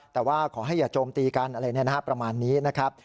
แต่ว่าขอให้อย่าโจมตีกันอะไรประมาณนี้นะครับ